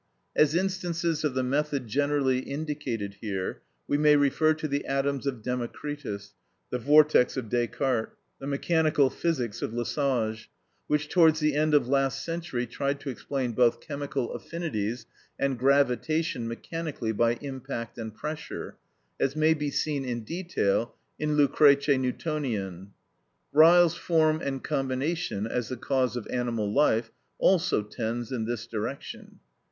As instances of the method generally indicated here, we may refer to the atoms of Democritus, the vortex of Descartes, the mechanical physics of Lesage, which towards the end of last century tried to explain both chemical affinities and gravitation mechanically by impact and pressure, as may be seen in detail in "Lucrèce Neutonien;" Reil's form and combination as the cause of animal life, also tends in this direction.